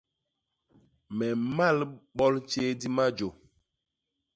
Me mmal bol tjéé di majô.